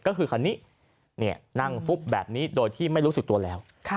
ก็คือคันนี้นั่งฟุบแบบนี้โดยที่ไม่รู้สึกตัวแล้ว